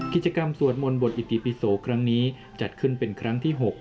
กิจกรรมสวดมนต์บทอิติปิโสครั้งนี้จัดขึ้นเป็นครั้งที่๖